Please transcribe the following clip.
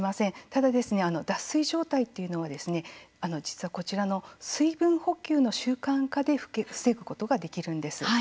ただですね、脱水状態というのは実はこちらの水分補給の習慣化で防ぐことができるんです。